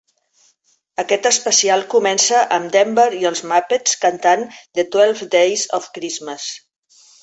Aquest especial comença amb Denver i els Muppets cantant "The Twelve Days of Christmas".